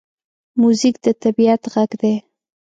موزیک د طبعیت غږ دی.